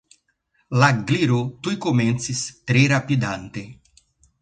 La Gliro tuj komencis, tre rapidante.